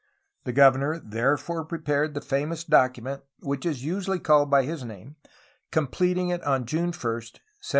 The governor therefore prepared the famous document which is usually called by his name, completing it on June 1, 1779.